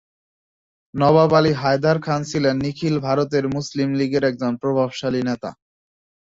নবাব আলী হায়দার খান ছিলেন নিখিল ভারত মুসলিম লীগের একজন প্রভাবশালী নেতা।